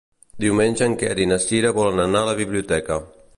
Diumenge en Quer i na Cira volen anar a la biblioteca.